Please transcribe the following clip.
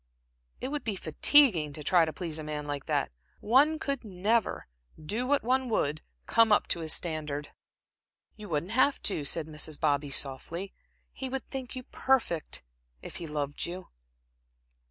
It would be fatiguing to try to please a man like that. One could never, do what one would, come up to his standard." "You wouldn't have to," said Mrs. Bobby, softly, "he would think you perfect, if he loved you."